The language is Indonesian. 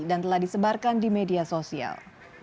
dan telah disebarkan di media sosial